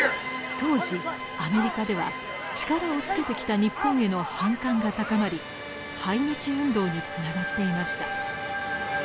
当時アメリカでは力をつけてきた日本への反感が高まり排日運動につながっていました。